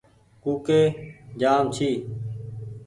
ڪوُڪي جآم ڇي ۔